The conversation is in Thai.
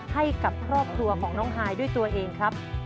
ให้กับครอบครัวของน้องฮายด้วยตัวเองครับ